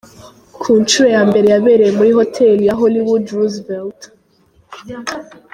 Ku nshuro ya mbere yabereye muri Hotel ya Hollywood Roosevelt.